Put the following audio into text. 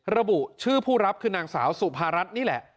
ระบุชื่อผู้รับคือนางสาวสุภารัฐนี่แหละ